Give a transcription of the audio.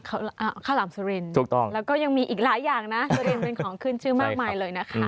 ข้าวหลามสุรินถูกต้องแล้วก็ยังมีอีกหลายอย่างนะสุรินเป็นของขึ้นชื่อมากมายเลยนะคะ